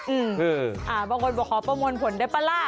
อืมอ่าบางคนบอกขอประมวลผลได้ป่ะล่ะ